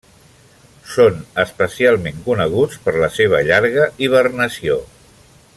Són especialment coneguts per la seva llarga hibernació.